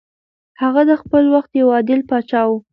هغه د خپل وخت یو عادل پاچا و.